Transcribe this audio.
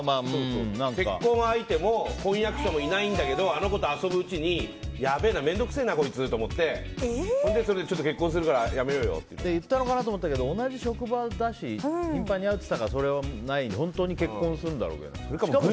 結婚相手も婚約者もいないんだけどあの子と遊ぶうちにやべえな、面倒くせえなこいつって思ってそれででも、同じ職場だし頻繁に会うって言ってたからそれはない本当に結婚するんだろうけど。